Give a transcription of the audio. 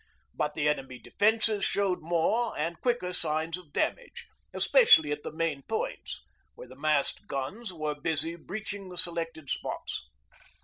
But the enemy defences showed more and quicker signs of damage, especially at the main points, where the massed guns were busy breaching the selected spots.